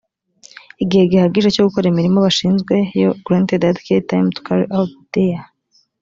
igihe gihagije cyo gukora imirimo bashinzwe yo granted adequate time to carry out their